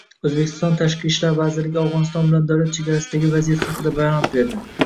O‘zbekiston Tashqi ishlar vazirligi Afg‘oniston bilan davlat chegarasidagi vaziyat haqida bayonot berdi